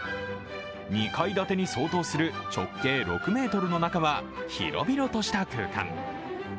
２階建てに相当する直径６ｍの中は広々とした空間。